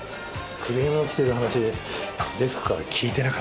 クレームがきてる話デスクから聞いてなかったもので。